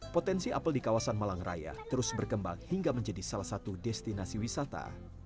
potensi apel di kawasan malang raya terus berkembang hingga menjadi salah satu destinasi wisata